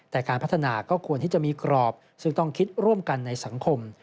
แต่การพัฒนาก็ควรที่จะมีกรอบซึ่งต้องคิดร่วมกันในสังคม